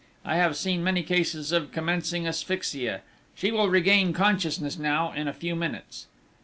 I have seen many cases of commencing asphyxia: she will regain consciousness now, in a few minutes."